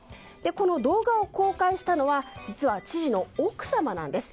この動画を公開したのは実は知事の奥様なんです。